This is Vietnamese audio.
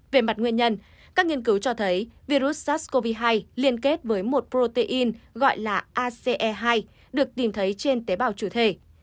về mặt nguyên nhân các nghiên cứu cho thấy virus sars cov hai liên kết với một protein gọi là ace hai được tìm thấy trên tế bào chủ thể